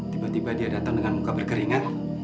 tiba tiba dia datang dengan muka berkeringat